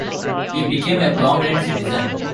He became a prominent citizen.